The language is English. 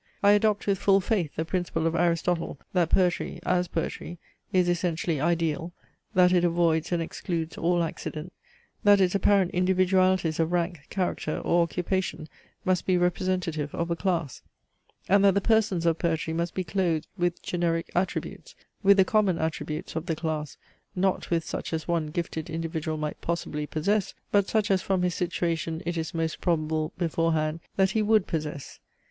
I adopt with full faith, the principle of Aristotle, that poetry, as poetry, is essentially ideal, that it avoids and excludes all accident; that its apparent individualities of rank, character, or occupation must be representative of a class; and that the persons of poetry must be clothed with generic attributes, with the common attributes of the class: not with such as one gifted individual might possibly possess, but such as from his situation it is most probable before hand that he would possess.